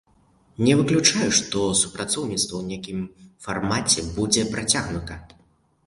Не выключаю, што супрацоўніцтва ў нейкім фармаце будзе працягнута.